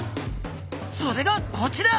それがこちら！